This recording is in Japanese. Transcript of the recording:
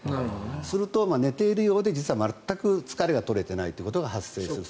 すると、寝ているようで全く疲れが取れていないということが発生する。